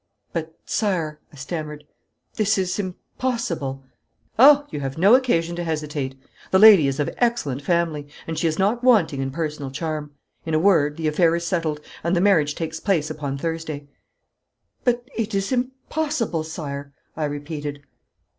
'But, sire,' I stammered, 'this is impossible.' 'Oh, you have no occasion to hesitate. The lady is of excellent family and she is not wanting in personal charm. In a word, the affair is settled, and the marriage takes place upon Thursday.' 'But it is impossible, sire,' I repeated.